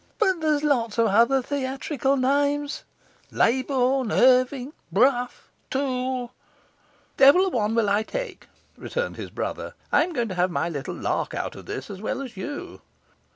'But there's lots of other theatrical names,' cried Morris. 'Leybourne, Irving, Brough, Toole ' 'Devil a one will I take!' returned his brother. 'I am going to have my little lark out of this as well as you.